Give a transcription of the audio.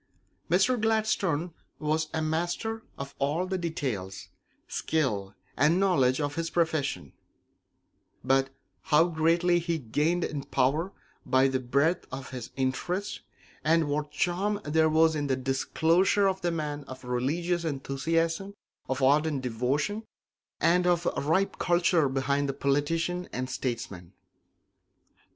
Mr. Gladstone was a master of all the details, skill, and knowledge of his profession; but how greatly he gained in power by the breadth of his interests, and what charm there was in the disclosure of the man of religious enthusiasm, of ardent devotion, and of ripe culture behind the politician and statesman!